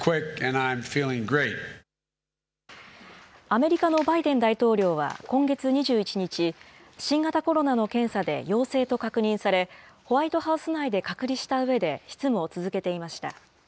アメリカのバイデン大統領は今月２１日、新型コロナの検査で陽性と確認され、ホワイトハウス内で隔離したうえで、執務を続けていました。